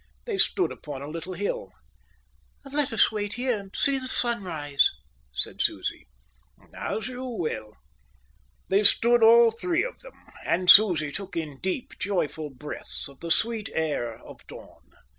They stood upon a little hill. "Let us wait here and see the sun rise," said Susie. "As you will." They stood all three of them, and Susie took in deep, joyful breaths of the sweet air of dawn.